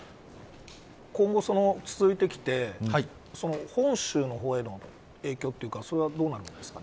今後、続いてきて本州の方への影響というかそれは、どうなるんですか。